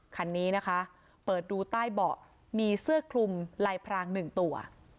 คันนี้นะคะเปิดดูใต้เบาะมีเสื้อคลุมลายพรางหนึ่งตัว